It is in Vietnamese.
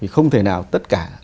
không thể nào tất cả